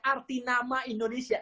arti nama indonesia